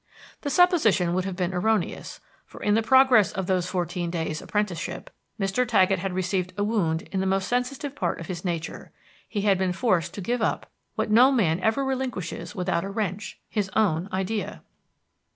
The supposition would have been erroneous, for in the progress of those fourteen days' apprenticeship Mr. Taggett had received a wound in the most sensitive part of his nature: he had been forced to give up what no man ever relinquishes without a wrench, his own idea.